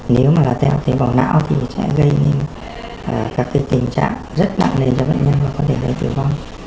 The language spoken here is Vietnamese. nếu mà là keo tế bào não thì sẽ gây nên các tình trạng rất đặn lên cho bệnh nhân và có thể đầy tiểu vong